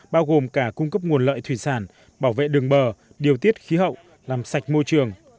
bao gồm cả cung cấp nguồn lợi thủy sản bảo vệ đường bờ điều tiết khí hậu làm sạch môi trường